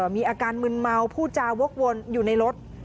มีอาการมึนเมาผู้จาวกวนอยู่ในรถ